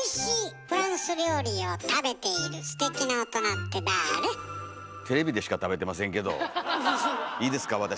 いいですか？